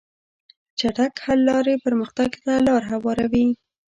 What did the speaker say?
چټک حل لارې پرمختګ ته لار هواروي.